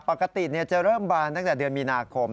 ปกติจะเริ่มบานตั้งแต่เดือนมีนาคม